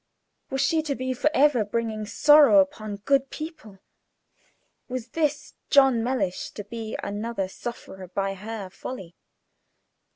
Was she to be for ever bringing sorrow upon good people? Was this John Mellish to be another sufferer by her folly?